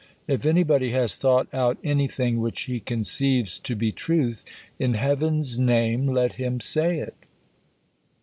If anybody has thought out any thing which he conceives to be truth, in Heaven's name, let him say it!"